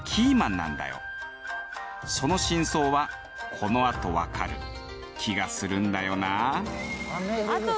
その真相はこのあとわかる気がするんだよな。